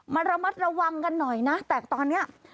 ระมัดระวังกันหน่อยนะแต่ตอนนี้